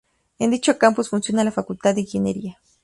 En dicho campus funciona la Facultad de Ingeniería.